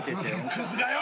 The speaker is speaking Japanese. クズがよ！